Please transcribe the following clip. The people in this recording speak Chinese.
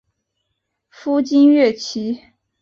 夫金乐琦。